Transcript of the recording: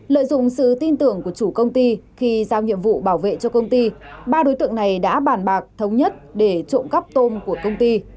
lợi dụng sự tin tưởng của chủ công ty khi giao nhiệm vụ bảo vệ cho công ty ba đối tượng này đã bàn bạc thống nhất để trộm cắp tôm của công ty